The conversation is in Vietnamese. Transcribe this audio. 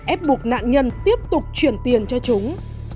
ép buộc nạn nhân tiếp tục chuyển tiền cho chúng